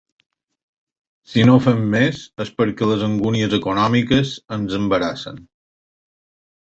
Si no fem més és perquè les angúnies econòmiques ens embarassen.